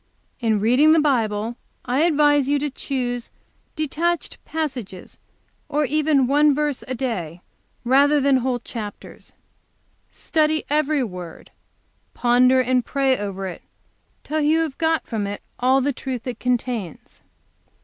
"In reading the Bible I advise you to choose detached passages, or even one verse a day, rather whole chapters. Study every word, ponder and pray over it till you have got out of it all the truth it contains.